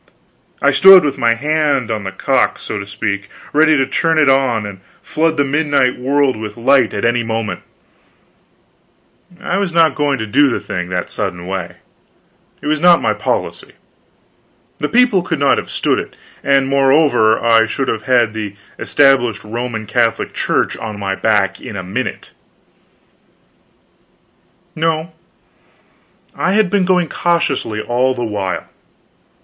I stood with my hand on the cock, so to speak, ready to turn it on and flood the midnight world with light at any moment. But I was not going to do the thing in that sudden way. It was not my policy. The people could not have stood it; and, moreover, I should have had the Established Roman Catholic Church on my back in a minute. No, I had been going cautiously all the while.